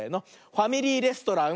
「ファミリーレストラン」。